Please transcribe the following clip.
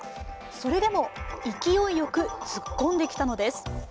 それでも勢いよく突っ込んできたのです。